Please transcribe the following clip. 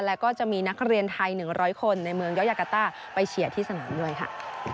แล้วก็จะมีนักเรียนไทย๑๐๐คนในเมืองยอดยากาต้าไปเชียร์ที่สนามด้วยค่ะ